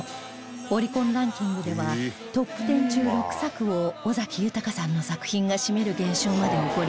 オリコンランキングではトップ１０中６作を尾崎豊さんの作品が占める現象まで起こり